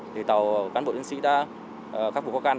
thì tàu cán bộ chiến sĩ đã khắc phục khó khăn